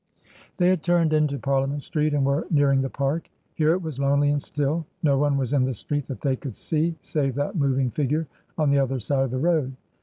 They had turned into Parliament Street and were nearing the Park. Here it was lonely and still ; no one was in the street that they could see save that moving figure on the other side of the road.